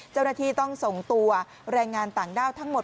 เจ้าหน้าที่ต้องส่งตัวแรงงานต่างด้าวทั้งหมด